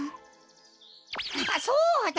あっそうだ！